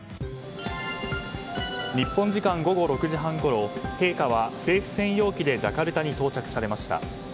日本時間午後６時半ごろ陛下は政府専用機でジャカルタに到着されました。